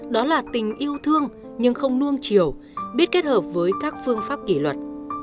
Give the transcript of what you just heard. đó là tình yêu thương nhưng không nuông chiều biết kết hợp với các phương pháp kỷ luật